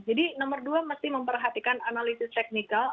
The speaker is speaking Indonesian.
jadi nomor dua mesti memperhatikan analisis teknikal